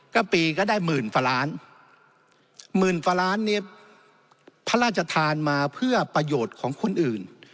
ก็ปีก็ได้หมื่นกว่าล้านหมื่นกว่าล้านเนี่ยพระราชทานมาเพื่อประโยชน์ของคนอื่น